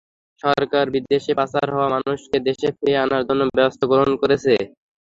সরকার বিদেশে পাচার হওয়া মানুষকে দেশে ফিরিয়ে আনার জন্য ব্যবস্থা গ্রহণ করেছে।